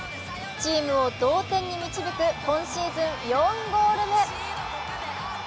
チームを同点に導く今シーズン４ゴール目。